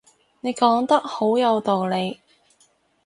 你講得好有道理